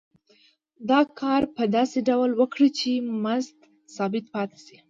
دا کار په داسې ډول وکړي چې مزد ثابت پاتې شي